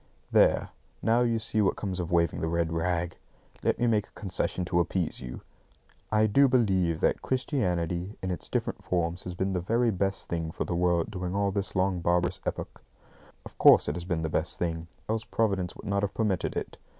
There, now, you see what comes of waving the red rag! Let me make a concession to appease you. I do believe that Christianity in its different forms has been the very best thing for the world during all this long barbarous epoch. Of course, it has been the best thing, else Providence would not have permitted it.